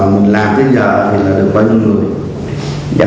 mình làm đến giờ thì được bao nhiêu người